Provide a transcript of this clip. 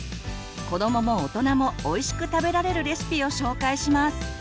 子どもも大人もおいしく食べられるレシピを紹介します。